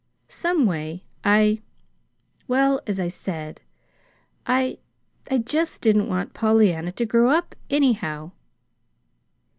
Someway, I well, as I said, I I just didn't want Pollyanna to grow up, anyhow."